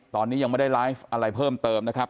ตอนนี้ยังไม่ได้ไลฟ์อะไรเพิ่มเติมนะครับ